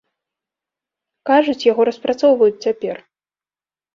Кажуць, яго распрацоўваюць цяпер.